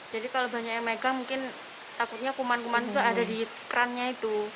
jadi kalau banyak yang megang mungkin takutnya kuman kuman itu ada di kerannya itu